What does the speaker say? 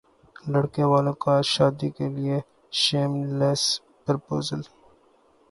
لڑکے والوں کا شادی کے لیےشیم لیس پرپوزل